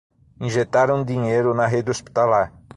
Injetaram dinheiro na rede hospitalar